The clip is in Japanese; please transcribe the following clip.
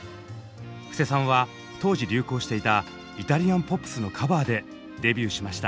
布施さんは当時流行していたイタリアン・ポップスのカバーでデビューしました。